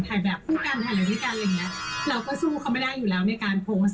ถ่ายแบบผู้กันถ่ายแล้วด้วยกันเราก็สู้เขาไม่ได้อยู่แล้วในการโพสต์